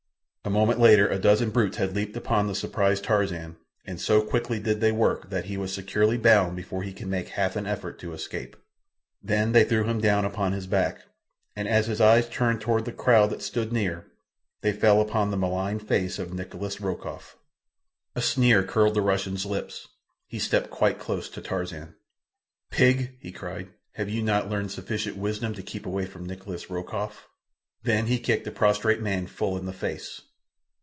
A moment later a dozen brutes had leaped upon the surprised Tarzan, and so quickly did they work that he was securely bound before he could make half an effort to escape. Then they threw him down upon his back, and as his eyes turned toward the crowd that stood near, they fell upon the malign face of Nikolas Rokoff. A sneer curled the Russian's lips. He stepped quite close to Tarzan. "Pig!" he cried. "Have you not learned sufficient wisdom to keep away from Nikolas Rokoff?" Then he kicked the prostrate man full in the face.